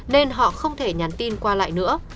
nên họ không thể nhắn tin qua lại nữa